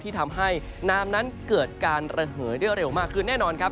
ที่ทำให้น้ำนั้นเกิดการระเหยได้เร็วมากขึ้นแน่นอนครับ